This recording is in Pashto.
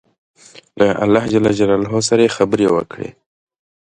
له الله جل جلاله سره یې خبرې وکړې.